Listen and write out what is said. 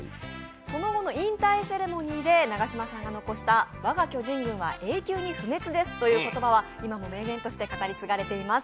その後の引退セレモニーで長嶋さんが残した「我が巨人軍は永久に不滅です」という言葉は今も名言として語り継がれています。